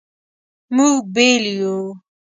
مونږ بیل یو